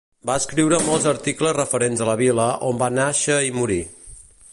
Va escriure molts articles referents a la vila on va nàixer i morir.